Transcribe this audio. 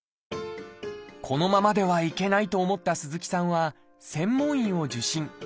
このままではいけないと思った鈴木さんは専門医を受診。